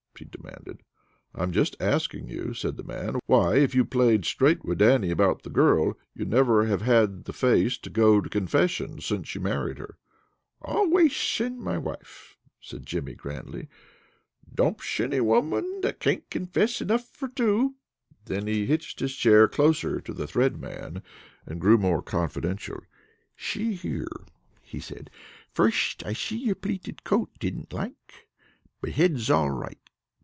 he demanded. "I'm just asking you," said the man, "why, if you played straight with Dannie about the girl, you never have had the face to go to confession since you married her." "Alwaysh send my wife," said Jimmy grandly. "Domsh any woman that can't confiss enough for two!" Then he hitched his chair closer to the Thread Man, and grew more confidential. "Shee here," he said. "Firsht I see your pleated coat, didn't like. But head's all right.